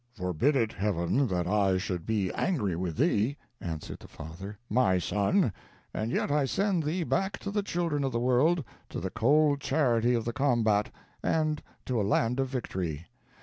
"Forbid it, Heaven, that I should be angry with thee," answered the father, "my son, and yet I send thee back to the children of the world to the cold charity of the combat, and to a land of victory.